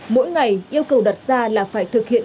mỗi ngày yêu cầu đặt ra là phải thực hiện